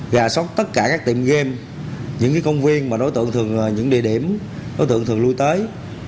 gà sốc tất cả các tiệm game những công viên mà đối tượng thường những địa điểm đối tượng thường lui tới